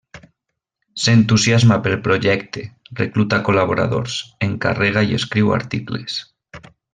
S'entusiasma pel projecte, recluta col·laboradors, encarrega i escriu articles.